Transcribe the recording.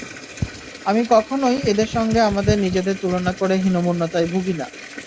আমি কখনোই এদের সঙ্গে আমাদের নিজেদের তুলনা করে হীনমন্যতায় ভুগি না।